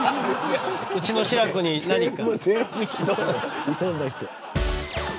うちの志らくに何か。